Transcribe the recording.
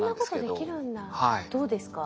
どうですか？